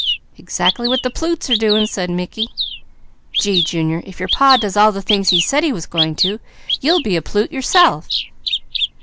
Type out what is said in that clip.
"Exactly what the plutes are doing," said Mickey. "Gee, Junior, if your Pa does all the things he said he was going to, you'll be a plute yourself!"